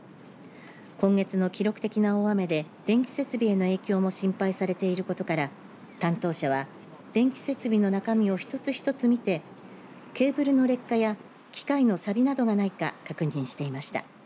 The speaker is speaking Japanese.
今月の記録的な大雨で電気設備への影響も心配されていることから担当者は電気設備の中身を一つ一つ見てケーブルの劣化や機械のさびなどがないか確認していました。